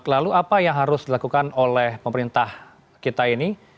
lalu apa yang harus dilakukan oleh pemerintah kita ini